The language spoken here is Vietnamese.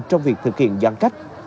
trong việc thực hiện giãn cách